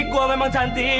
gue emang cantik